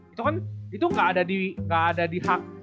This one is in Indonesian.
itu kan itu nggak ada di hak